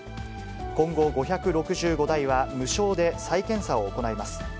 今後、５６５台は無償で再検査を行います。